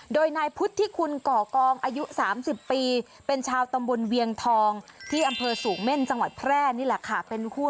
โดยนายพุทธิคุณก่อกองอายุ๓๐ปีเป็นชาวตำบลเวียงทองที่อำเภอสูงเม่นจังหวัดแพร่นี่แหละค่ะ